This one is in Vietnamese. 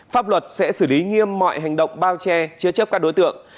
pháp luật sẽ xử lý nghiêm mọi hành động bao che chứa chấp các đối tượng